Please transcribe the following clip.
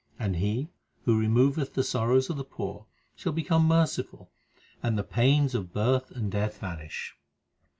And He who removeth the sorrows of the poor, shall become merciful, and the pains of birth and death vanish.